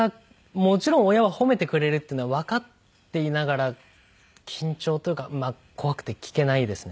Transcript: もちろん親は褒めてくれるっていうのはわかっていながら緊張というか怖くて聞けないですね。